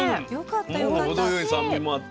程よい酸味もあって。